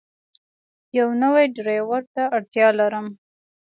یو نوی ډرایور ته اړتیا لرم.